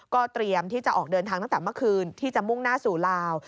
เตรียมที่จะออกเดินทางตั้งแต่เมื่อคืนที่จะมุ่งหน้าสู่ลาว